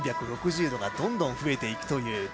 ３６０度がどんどん増えていくという。